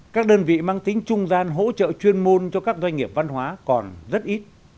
các đơn vị mang tính trung gian hỗ trợ chuyên môn cho các doanh nghiệp văn hóa còn rất ít